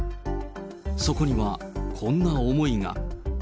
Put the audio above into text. そこにはこんな思いが。